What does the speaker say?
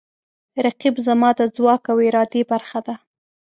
رقیب زما د ځواک او ارادې برخه ده